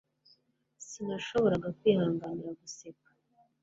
sinashoboraga kwihanganira guseka